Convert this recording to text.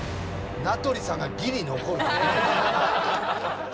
名取さんがギリ残る。